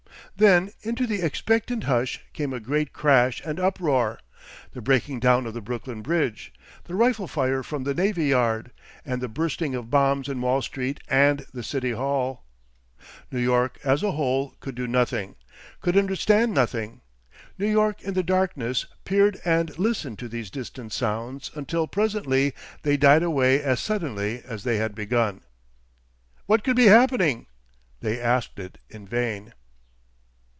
Then into the expectant hush came a great crash and uproar, the breaking down of the Brooklyn Bridge, the rifle fire from the Navy Yard, and the bursting of bombs in Wall Street and the City Hall. New York as a whole could do nothing, could understand nothing. New York in the darkness peered and listened to these distant sounds until presently they died away as suddenly as they had begun. "What could be happening?" They asked it in vain.